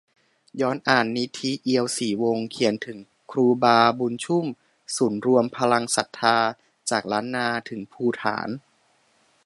ย้อนอ่าน 'นิธิ เอียวศรีวงศ์' เขียนถึง 'ครูบาบุญชุ่ม' ศูนย์รวมพลังศรัทธาจากล้านนาถึงภูฏาน